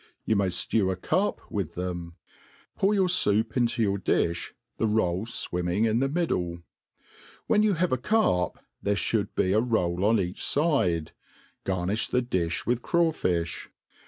You may ftew 9 carp with then ; pour your foup into your dilb, the roll fwinmtng in the middle. When you have a carp, there fliould be a roll on each fidew Garntfl) the difli with crawfifli.